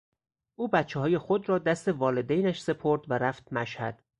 او بچههای خود را دست والدینش سپرد و رفت مشهد.